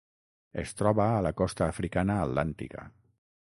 Es troba a la costa africana atlàntica.